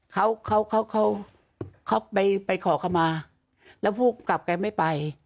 เขาไปขอเข้ามาแล้วผู้กับกันไม่ไป